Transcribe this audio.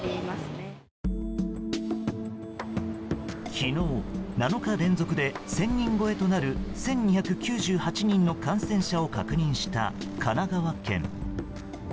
昨日、７日連続で１０００人超えとなる１２９８人の感染者を確認した神奈川県。